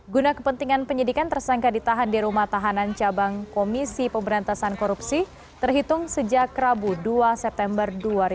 guna kepentingan penyidikan tersangka ditahan di rumah tahanan cabang komisi pemberantasan korupsi terhitung sejak rabu dua september dua ribu dua puluh